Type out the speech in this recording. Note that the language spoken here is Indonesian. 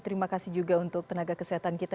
terima kasih juga untuk tenaga kesehatan kita